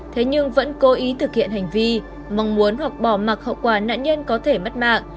thế nhưng vẫn cố ý thực hiện hành vi mong muốn hoặc bỏ mặc hậu quả nạn nhân có thể mất mạng